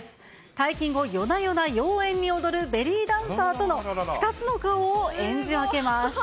退勤後、夜な夜な妖艶に踊るベリーダンサーとの２つの顔を演じ分けます。